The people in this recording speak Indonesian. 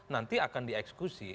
nanti akan dieksekusi